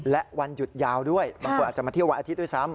และวันหยุดยาวด้วยบางคนอาจจะมาเที่ยววันอาทิตย์ด้วยซ้ำ